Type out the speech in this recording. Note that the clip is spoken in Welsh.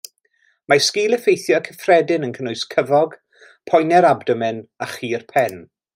Mae sgil-effeithiau cyffredin yn cynnwys cyfog, poenau'r abdomen, a chur pen.